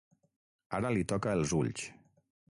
Ara li toca els ulls.